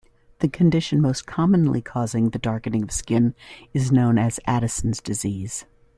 The condition most commonly causing the darkening of skin is known as Addison's disease.